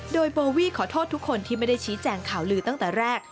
โดยโบวี่ขอโทษทุกคนที่ไม่ได้ชี้แจงข่าวลือตั้งแต่แรก